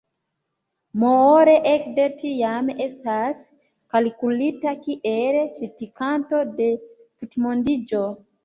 Moore ekde tiam estas kalkulita kiel kritikanto de tutmondiĝo.